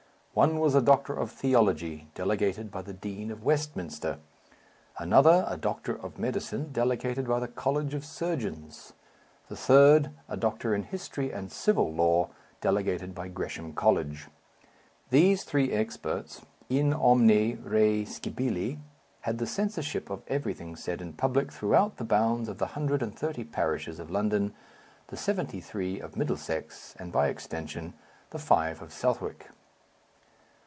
One was a Doctor of Theology, delegated by the Dean of Westminster; another, a Doctor of Medicine, delegated by the College of Surgeons; the third, a Doctor in History and Civil Law, delegated by Gresham College. These three experts in omni re scibili had the censorship of everything said in public throughout the bounds of the hundred and thirty parishes of London, the seventy three of Middlesex, and, by extension, the five of Southwark.